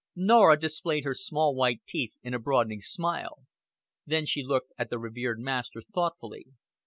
Norah displayed her small white teeth in a broadening smile; then she looked at the revered master thoughtfully.